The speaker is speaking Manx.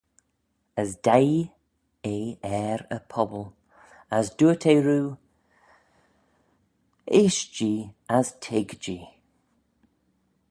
As deie eh er y pobble, as dooyrt eh roo, Eaisht-jee as toig-jee.